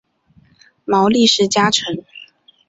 毛利氏家臣。